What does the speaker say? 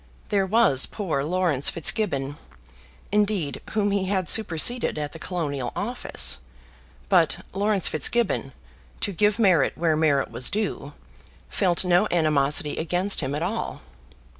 There was poor Laurence Fitzgibbon, indeed, whom he had superseded at the Colonial Office, but Laurence Fitzgibbon, to give merit where merit was due, felt no animosity against him at all.